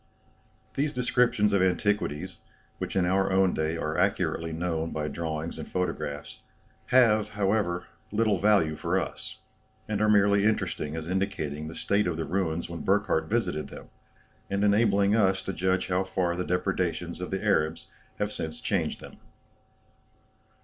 These descriptions of antiquities, which in our own day are accurately known by drawings and photographs, have, however, little value for us; and are merely interesting as indicating the state of the ruins when Burckhardt visited them, and enabling us to judge how far the depredations of the Arabs have since changed them.